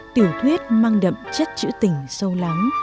tiểu thuyết mang đậm chất chữ tình sâu lắm